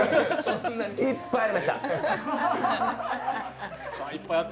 いっぱいありました。